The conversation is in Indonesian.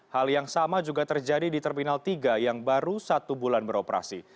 hal yang sama juga terjadi di terminal tiga yang baru satu bulan beroperasi